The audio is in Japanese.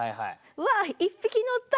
「うわ１匹乗った！